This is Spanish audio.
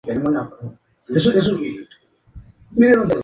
Tahmasp luego entregó el príncipe al embajador otomano.